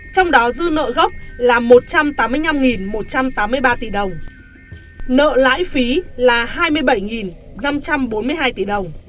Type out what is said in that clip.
trong đó dư nợ gốc là một trăm tám mươi năm một trăm tám mươi ba tỷ đồng nợ lãi phí là hai mươi bảy năm trăm bốn mươi hai tỷ đồng